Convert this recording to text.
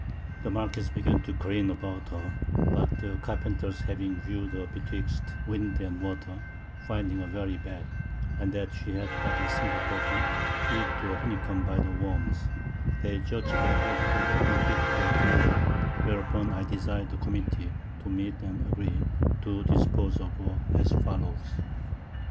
The Marquiss began to careen aboard her; but the Carpenters having view'd her betwixt Wind and Water, finding her very bad, and that she had but a single Bottom, eat to a Honey comb by the Worms, they judg'd her altogether unfit to go to Europe; whereupon I desir'd the Committee to meet and agree to dispose of her, as follows.